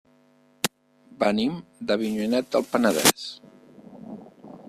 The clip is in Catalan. Venim d'Avinyonet del Penedès.